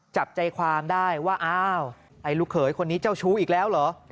จับใจความได้ว่าอ้าวไอ้ลูกเขยคนนี้เจ้าชู้อีกแล้วเหรอ